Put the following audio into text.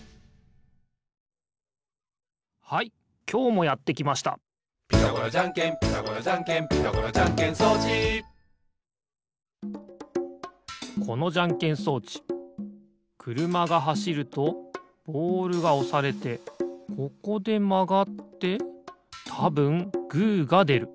はいきょうもやってきました「ピタゴラじゃんけんピタゴラじゃんけん」「ピタゴラじゃんけん装置」このじゃんけん装置くるまがはしるとボールがおされてここでまがってたぶんグーがでる。